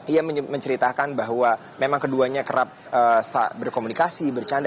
ia menceritakan bahwa memang keduanya kerap berkomunikasi bercanda